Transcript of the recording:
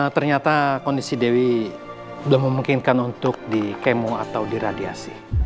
ternyata kondisi dewi belum memungkinkan untuk dikemo atau diradiasi